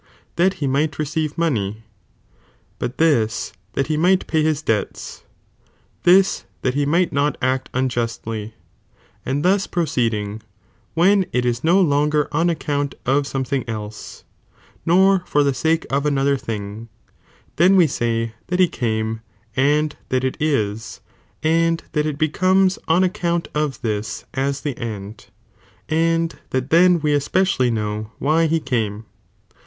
that he might receive money, but this that he might pay his debts, this that he might not act unjustly, and thus proceeding, when it is no longer on account of some thing else, nor for the sake of another thing, then we say that he came, and that it ia, and that it becomes on account uf this as the end, and that then we especially know why he come.